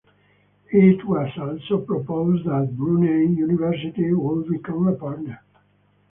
It was also proposed that Brunel University, would become a partner.